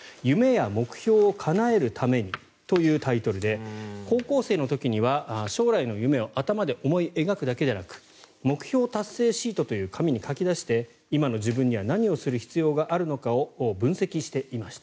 「夢や目標をかなえるために」というタイトルで高校生の時には将来の夢を頭で思い描くだけじゃなく目標達成シートという紙に書き出して今の自分には何をする必要があるのかを分析していました。